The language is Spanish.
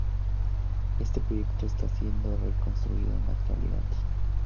Este proyecto está siendo reconstruido en la actualidad.